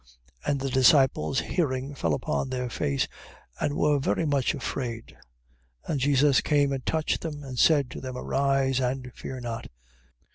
17:6. And the disciples hearing fell upon their face, and were very much afraid. 17:7. And Jesus came and touched them: and said to them: Arise, and fear not.